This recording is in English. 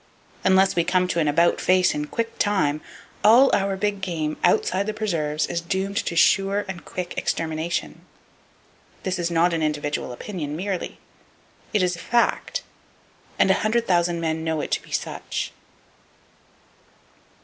Unless we come to an "About, face!" in quick time, all our big game outside the preserves is doomed to sure and quick extermination. This is not an individual opinion, merely: it is a fact; and a hundred thousand men know it to be such.